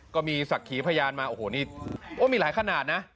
ก็มีศักดิ์ขีพยานมาโอ้โหนี่โอ้มีหลายขนาดนะ